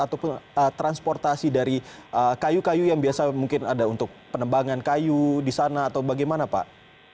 ataupun transportasi dari kayu kayu yang biasa mungkin ada untuk penebangan kayu di sana atau bagaimana pak